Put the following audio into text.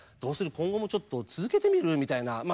今後もちょっと続けてみる？みたいなまあ